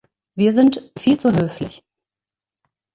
Wir sind viel zu höflich.